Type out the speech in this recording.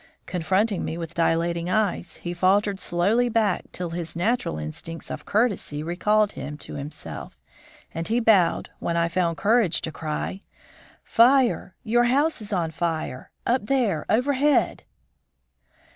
Confronting me with dilating eyes, he faltered slowly back till his natural instincts of courtesy recalled him to himself, and he bowed, when I found courage to cry: "Fire! Your house is on fire! Up there, overhead!"